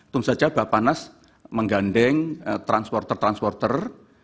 tentu saja bapanas menggandeng transporter transporter